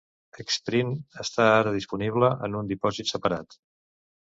Xprint està ara disponible en un dipòsit separat.